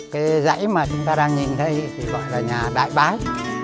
cái dãy mà chúng ta đang nhìn thấy thì gọi là nhà đại bái